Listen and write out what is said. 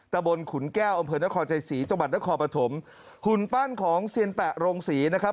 ตะบนขุนแก้วอำเภอนครใจศรีจังหวัดนครปฐมหุ่นปั้นของเซียนแปะโรงศรีนะครับ